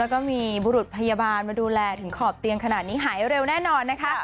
กลับไปก่อนนะครับ